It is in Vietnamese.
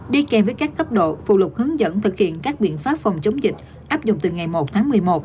đi kèm với các cấp độ phụ lục hướng dẫn thực hiện các biện pháp phòng chống dịch áp dụng từ ngày một tháng một mươi một